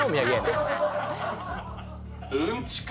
うんちく